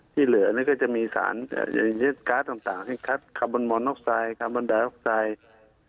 ที่เหลือนี่ก็จะมีสารยึดการ์ดต่างที่คัดคาร์บอนมอนออกไซด์คาร์บอนไดออกไซด์